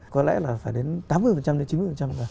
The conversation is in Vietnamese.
có lẽ là phải đến tám mươi đến chín mươi